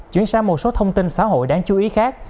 chuyển sang một số thông tin xã hội đáng chú ý khác